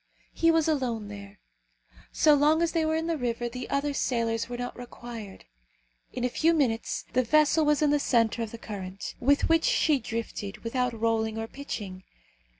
He was alone there. So long as they were in the river the other sailors were not required. In a few minutes the vessel was in the centre of the current, with which she drifted without rolling or pitching.